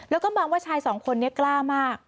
แล้วก็มองว่าชายสองคนนี้กล้ามาก